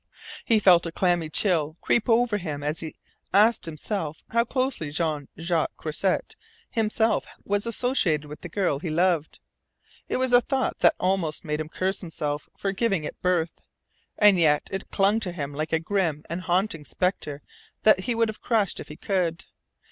He felt a clammy chill creep over him as he asked himself how closely Jean Jacques Croisset himself was associated with the girl he loved. It was a thought that almost made him curse himself for giving it birth. And yet it clung to him like a grim and haunting spectre that he would have crushed if he could.